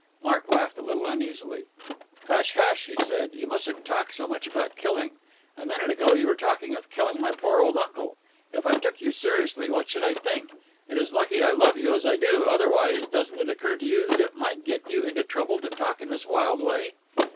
Mark laughed a little uneasily. "Hush, hush," he said, "you mustn't talk so much about killing. A minute ago you were talking of killing my poor old uncle. If I took you seriously what should I think? It is lucky I love you as I do, otherwise doesn't it occur to you that it might get you into trouble to talk in this wild way?"